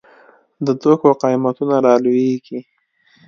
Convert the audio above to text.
د توکو قیمتونه رالویږي.